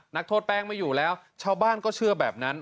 นักโทษแป้งไม่อยู่แล้วชาวบ้านก็เชื่อแบบนั้น